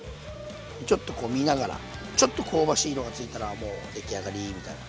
ちょっとこう見ながらちょっと香ばしい色が付いたらもう出来上がりみたいな。